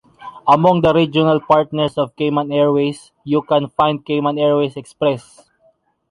Among the regional partners of Cayman Airways, you can find Cayman Airways Express.